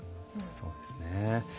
そうですね。